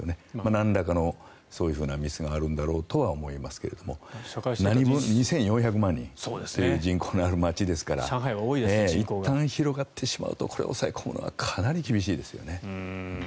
なんらかのそういうミスがあるんだろうと思いますが何分、２４００万人という人口のある街ですからいったん広がってしまうとこれを抑え込むのはかなり厳しいですよね。